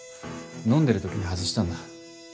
飲んでる時に外したんだ。